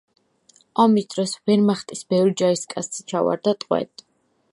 ომის დროს ვერმახტის ბევრი ჯარისკაცი ჩავარდა ტყვედ.